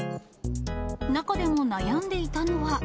中でも悩んでいたのは。